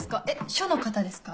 署の方ですか？